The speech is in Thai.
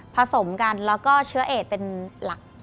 สมกันแล้วก็เชื้อเอดเป็นหลัก